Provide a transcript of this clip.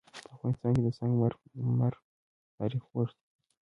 په افغانستان کې د سنگ مرمر تاریخ اوږد دی.